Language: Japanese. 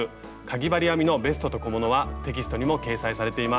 かぎ針編みのベストと小物」はテキストにも掲載されています。